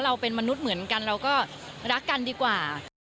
เราเป็นมนุษย์เหมือนกันเราก็รักกันดีกว่า